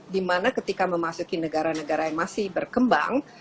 dimana ketika memasuki negara negara yang masih berkembang